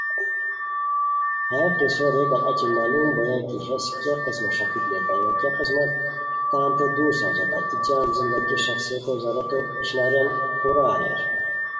ہیہ قصو ریکار اچی معلوم بویان کی ہیس کیہ قسمہ ݰاپیک لیتائے وا کیہ قسمہ تانتے دُور ساؤزئے ای جم زندگی شاخڅئیکو ضرورتو اشناریان پورہ اریر